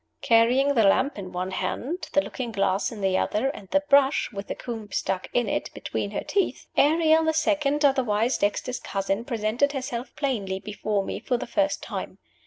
Carrying the lamp in one hand, the looking glass in the other, and the brush (with the comb stuck in it) between her teeth, Ariel the Second, otherwise Dexter's cousin, presented herself plainly before me for the first time.